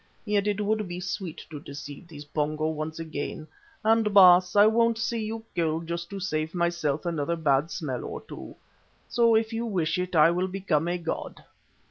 Yet it would be sweet to deceive those Pongo once again, and, Baas, I won't see you killed just to save myself another bad smell or two. So, if you wish it, I will become a god."